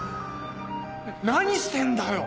何してんだよ！